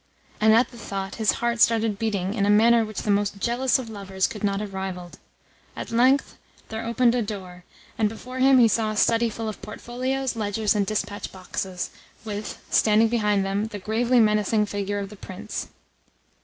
And at the thought his heart started beating in a manner which the most jealous of lovers could not have rivalled. At length there opened a door, and before him he saw a study full of portfolios, ledgers, and dispatch boxes, with, standing behind them, the gravely menacing figure of the Prince.